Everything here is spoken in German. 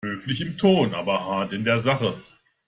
Höflich im Ton, aber hart in der Sache.